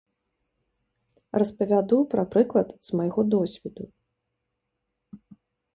Распавяду пра прыклад з майго досведу.